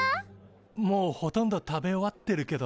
もうほとんど食べ終わってるけど。